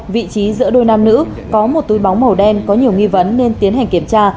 vị trí giữa đôi nam nữ có một túi bóng màu đen có nhiều nghi vấn nên tiến hành kiểm tra